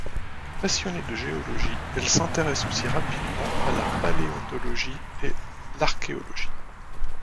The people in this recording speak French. Passionnée de géologie, elle s’intéresse aussi rapidement à la paléontologie, et l’archéologie.